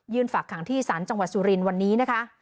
ยื่นฝากขังที่สรรจังหวัดสุรินวันนี้นะคะ